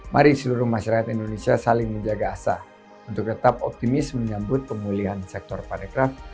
mari seluruh masyarakat indonesia saling menjaga asa untuk tetap optimis menyambut pemulihan sektor parekraf